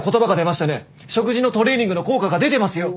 食事のトレーニングの効果が出てますよ！